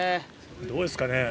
どうですかね。